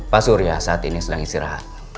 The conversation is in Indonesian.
pak surya saat ini sedang istirahat